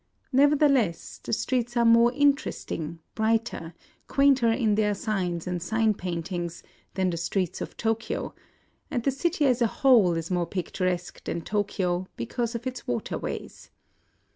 Nev ertheless the streets are more interesting, brighter, quainter in their signs and sign painting, than the streets of Tokyo ; and the city as a whole is more picturesque than Tokyo because of its waterways.